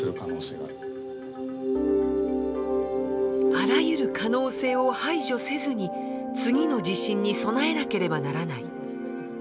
あらゆる可能性を排除せずに次の地震に備えなければならない。